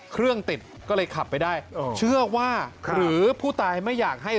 เครื่องติดก็เลยขับไปได้เชื่อว่าหรือผู้ตายไม่อยากให้